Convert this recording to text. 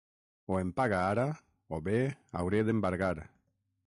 O em paga ara, o bé hauré d'embargar.